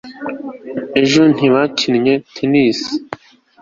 ejo ntibakinnye tennis